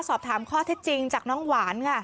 สอบถามข้อเท็จจริงจากน้องหวานค่ะ